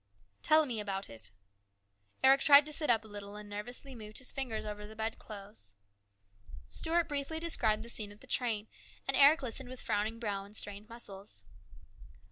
" Tell me about it." Eric tried to sit up a little, and nervously moved his ringers over the bed clothes. Stuart briefly described the scene at the train, and Eric listened with frowning brow and strained muscles.